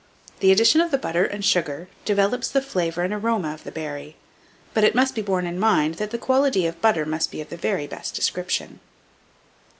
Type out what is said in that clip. The addition of the butter and sugar develops the flavour and aroma of the berry; but it must be borne in mind, that the quality of the butter must be of the very best description.